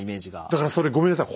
だからそれごめんなさい